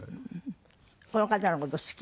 この方の事好き？